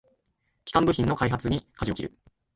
基幹部品の開発にかじを切る